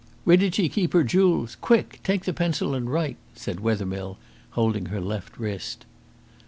"Where did she keep her jewels! Quick! Take the pencil and write," said Wethermill, holding her left wrist.